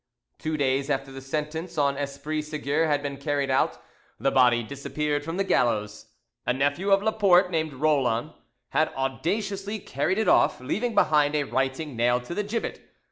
Two days after the sentence on Esprit Seguier had been carried out, the body disappeared from the gallows. A nephew of Laporte named Roland had audaciously carried it off, leaving behind a writing nailed to the gibbet.